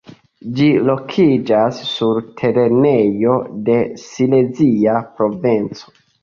Ĝi lokiĝas sur terenoj de Silezia Provinco.